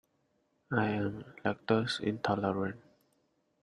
I am lactose intolerant.